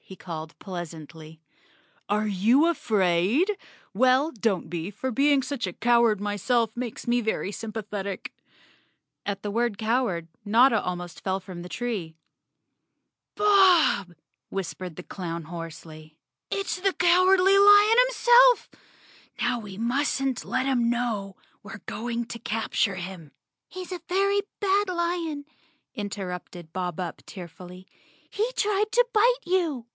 he called pleasantly. "Are you afraid? Well, don't be, for being a coward myself makes me very sympathetic." At the word cow¬ ard Notta almost fell from the tree. "Bob," whispered the clown hoarsely, "it's the Cow 117 The Cowardly Lion of Oz _ ardly Lion himself! Now we mustn't let him know k we're going to capture him." "He's a very bad lion," interrupted Bob Up tear¬ fully. "He tried to bite you!"